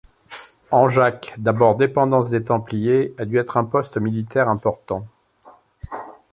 Angeac, d'abord dépendance des Templiers, a dû être un poste militaire important.